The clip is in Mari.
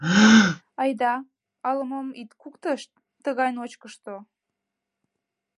— Айда, ала-мом ит куктышт, тыгай ночкышто...